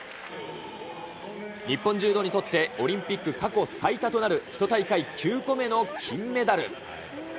日本柔道にとって、オリンピック過去最多となる１大会９個目の金メダル。